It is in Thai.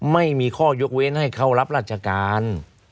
ไม่มีข้อยกเว้นให้เขารับราชการ